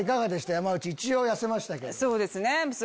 山内一応痩せましたけど。